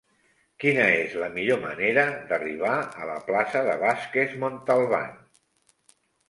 Quina és la millor manera d'arribar a la plaça de Vázquez Montalbán?